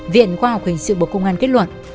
viện khoa học hình sự bộ công an kết luận